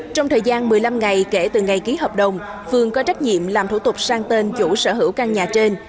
trong thời gian một mươi năm ngày kể từ ngày ký hợp đồng phương có trách nhiệm làm thủ tục sang tên chủ sở hữu căn nhà trên